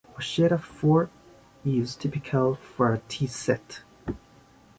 A set of four is typical for a tea set.